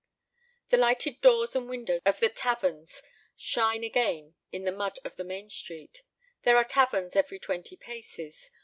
The lighted doors and windows of the taverns shine again in the mud of the main street. There are taverns every twenty paces.